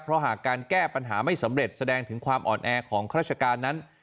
เพราะหากการแก้ปัญหาไม่สำเร็จแสดงถึงความอ่อนแอของข้าราชการนั้น